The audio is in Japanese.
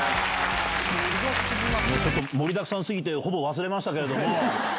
ちょっと盛りだくさんすぎて、ほぼ忘れましたけれども。